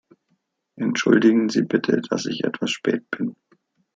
Entschuldigen Sie bitte, dass ich etwas spät bin.